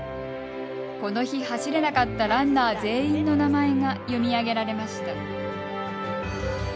この日走れなかったランナー全員の名前が読み上げられました。